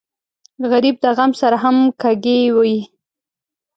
غریب د غم سره همغږی وي